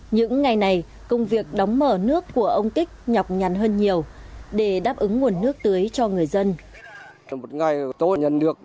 những ngày này công việc đóng mở nước của ông kích nhọc nhằn hơn nhiều để đáp ứng nguồn nước tưới cho người dân